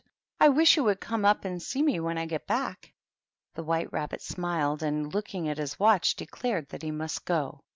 " I wish you would come up and see me when I get back." The White Rabbit smiled, and, looking at his watch, declared that he must go.